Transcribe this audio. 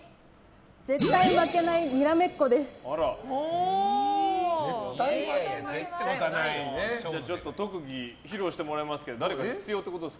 絶対負けないにらめっこです。